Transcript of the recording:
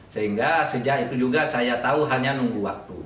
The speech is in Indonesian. sehingga sejak itu juga saya tahu hanya nunggu waktu